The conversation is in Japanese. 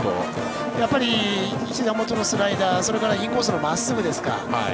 やっぱりひざ元へのスライダーそれからインコースのまっすぐ。